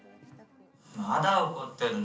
まだ怒ってるの？